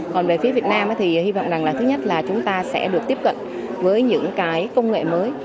còn về phía việt nam thì hy vọng rằng là thứ nhất là chúng ta sẽ được tiếp cận với những cái công nghệ mới